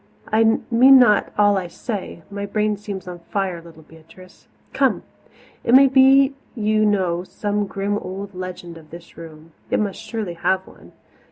I mean not all I say my brain seems on fire, little Beatrice. Come; it may be you know some grim old legend of this room it must surely have one.